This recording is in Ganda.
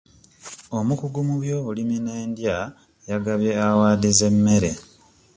Omukugu mu by'obulimi n'endya yagabye awaadi z'emmere.